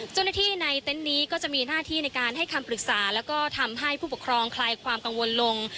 เจ้าหน้าที่ในเต็นต์นี้ก็จะมีหน้าที่ในการให้คำปรึกษาแล้วก็ทำให้ผู้ปกครองคลายความกังวลลง